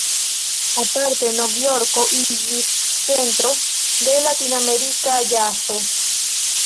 Aparte Novjorko iĝis centro de ”latinamerika ĵazo".